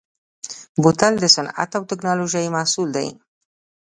بوتل د صنعت او تکنالوژۍ محصول دی.